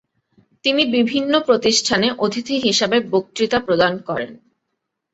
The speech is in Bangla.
তিনি বিভিন্ন প্রতিষ্ঠানে অতিথি হিসাবে বক্তৃতা প্রদান করেন।